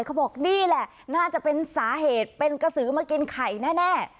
เขาบอกนี่แหละน่าจะเป็นสาเหตุเป็นกระสือมากินไข่แน่